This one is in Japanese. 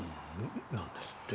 なんですって。